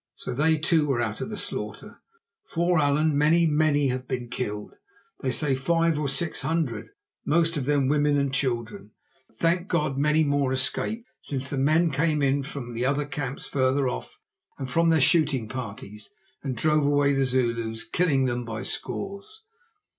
So they too were out of the slaughter, for, Allan, many, many have been killed—they say five or six hundred, most of them women and children. But thank God! many more escaped, since the men came in from the other camps farther off and from their shooting parties, and drove away the Zulus, killing them by scores."